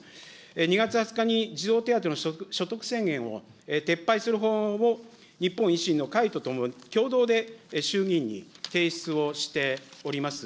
２月２０日に児童手当の所得制限を撤廃する法案を、日本維新の会とともに、共同で衆議院に提出をしております。